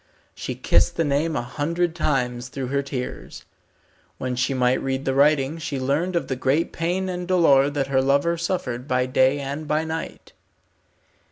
She kissed the name a hundred times through her tears. When she might read the writing she learned of the great pain and dolour that her lover suffered by day and by night.